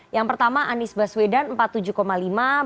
yang pertama anies baswedan empat puluh tujuh lima persen